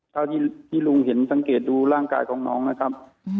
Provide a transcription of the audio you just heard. เท่าที่ลุงเห็นสังเกตดูร่างกายของน้องนะครับ